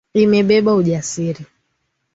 Imebeba ujasiri